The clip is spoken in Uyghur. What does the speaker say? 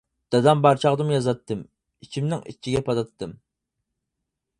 دادام بار چاغدىمۇ يازاتتىم ئىچىمنىڭ ئىچىگە پاتاتتىم.